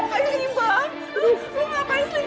kayu sini bang